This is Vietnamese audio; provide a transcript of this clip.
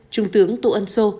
trung tướng tô ân sô